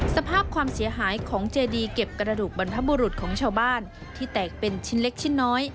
สภาพความเสียหายของเจดีเก็บกระดูกบรรพบุรุษของชาวบ้านที่แตกเป็นชิ้นเล็กชิ้นน้อย